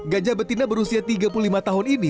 gajah betina berusia tiga puluh lima tahun ini